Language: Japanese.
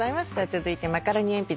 続いてマカロニえんぴつ